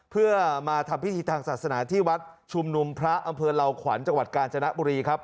เพื่อมาทำพิธีทางศาสนาที่วัดชุมนุมพระอำเภอเหล่าขวัญจังหวัดกาญจนบุรีครับ